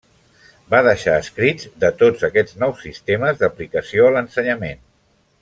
Va deixar escrits de tots aquests nous sistemes d'aplicació a l'ensenyament.